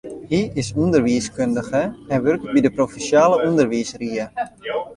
Hy is ûnderwiiskundige en wurket by de provinsjale ûnderwiisrie.